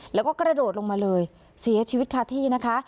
แล้วก็กระโดดลงมาเลยเสียชีวิตคาที่นะคะ